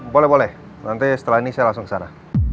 boleh boleh nanti setelah ini saya langsung ke sana